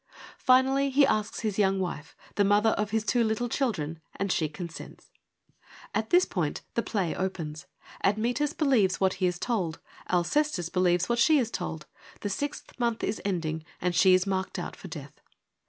Finally he asks his young wife, the mother of his two little children, and she consents. At this point the play opens. Admetus believes what he is told ; Alcestis believes what she is told : the sixth month is ending and she is marked out for death.